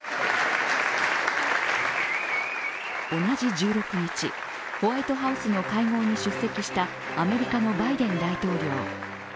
同じ１６日、ホワイトハウスの会合に出席したアメリカのバイデン大統領。